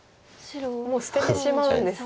もう捨ててしまうんですね。